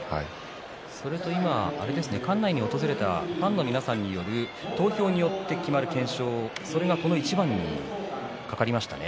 それと今、館内に訪れたファンの皆さんによる投票によって決まる懸賞、それがこの一番にかかりましたね。